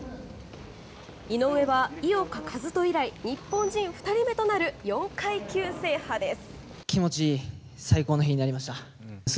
井上は井岡一翔以来日本人２人目となる４階級制覇です。